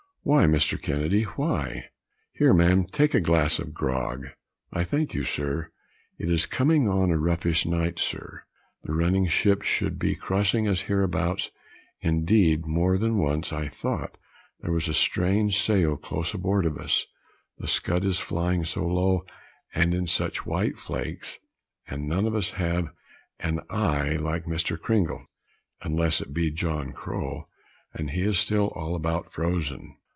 "Why, Mr. Kennedy, why? here, man, take a glass of grog." "I thank you sir." "It is coming on a roughish night, sir; the running ships should be crossing us hereabouts; indeed, more than once I thought there was a strange sail close aboard of us, the scud is flying so low, and in such white flakes; and none of us have an eye like Mr. Cringle, unless it be John Crow, and he is all but frozen."